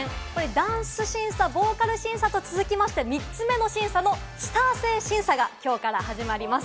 ダンス審査、ボーカル審査と続きまして、３つ目の審査のスター性審査がきょうから始まります。